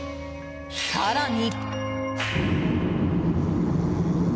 更に。